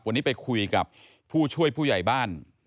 วันนี้ไปคุยกับผู้ช่วยผู้ใหญ่บ้าน